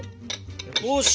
よし！